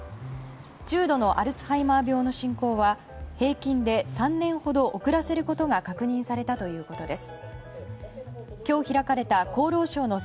中度のアルツハイマー病の進行は平均で３年ほど遅らせることが確認されたということです。